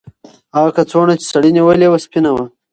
هغه کڅوړه چې سړي نیولې وه سپینه وه.